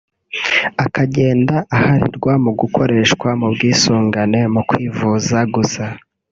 akagenda aharirwa gukoreshwa mu bwisungane mu kwivuza gusa